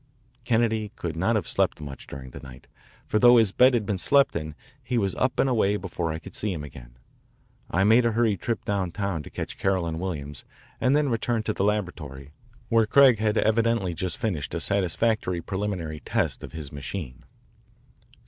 Kennedy could not have slept much during the night, for though his bed had been slept in he was up and away before I could see him again. I made a hurried trip downtown to catch Carroll and Williams and then returned to the laboratory, where Craig had evidently just finished a satisfactory preliminary test of his machine.